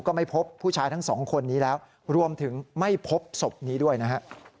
ก็ไม่พบผู้ชายทั้งสองคนนี้แล้วรวมถึงไม่พบศพนี้ด้วยนะฮะ